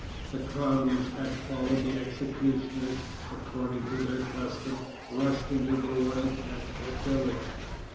The crowd which had followed the executioners, according to their custom rushed into the royal tent for pillage.